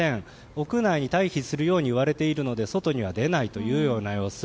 屋内に退避するように言われているので外には出ないという様子。